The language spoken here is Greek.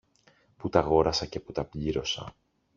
που τ' αγόρασα και που τα πλήρωσα.